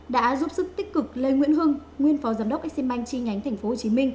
đã giúp sức tích cực lê nguyễn hưng nguyên phó giám đốc exim bank chi nhánh tp hcm